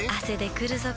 くるぞ？